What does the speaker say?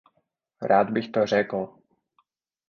Rád bych to řekl.